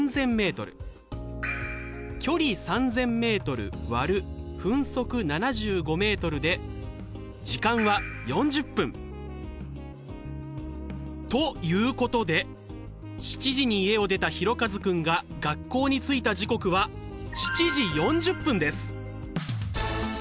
距離３０００ｍ割る分速７５ｍで時間は４０分。ということで７時に家を出たひろかずくんが学校に着いた時刻は７時４０分です。